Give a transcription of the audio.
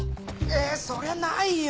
えそりゃないよ